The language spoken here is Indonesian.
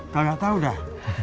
kagak tahu dah